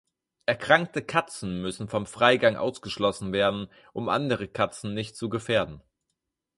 Erkrankte Katzen müssen vom Freigang ausgeschlossen werden, um andere Katzen nicht zu gefährden.